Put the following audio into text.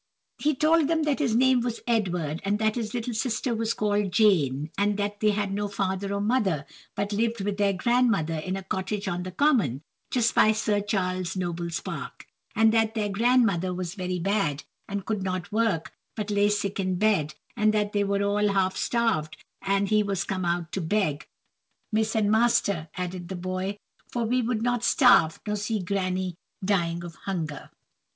He told them that his name was Edward, and that his little sister was called Jane, and that they had no father or mother, but lived with their grandmother in a cottage on the common, just by Sir Charles Noble's park; and that their grandmother was very bad, and could not work, but lay sick in bed; and that they were all half starved, and he was come out to beg "Miss and Master," added the boy, "for we could not starve, nor see granny dying of hunger."